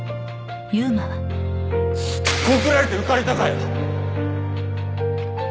告られて浮かれたかよ